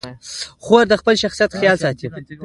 خور د خپل شخصیت خیال ساتي.